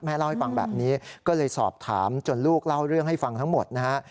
เล่าให้ฟังแบบนี้ก็เลยสอบถามจนลูกเล่าเรื่องให้ฟังทั้งหมดนะฮะ